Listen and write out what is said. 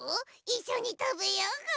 いっしょにたべようぐ。